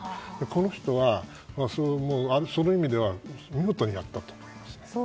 この人はその意味では見事にやったと思います。